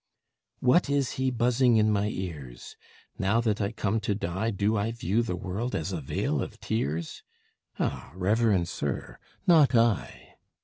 "What is he buzzing in my ears? Now that I come to die. Do I view the world as a vale of tears? Ah, reverend sir, not I!"